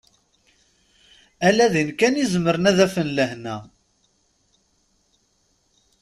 Ala din kan i zemren ad afen lehna.